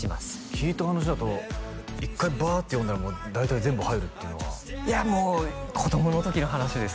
聞いた話だと一回バーッて読んだら大体全部入るっていうのはいやもう子供の時の話です